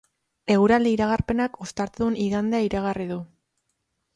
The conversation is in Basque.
Eguraldi iragarpenak ostartedun igandea iragarri du.